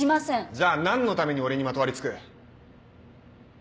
じゃあ何のために俺にまとわりつく？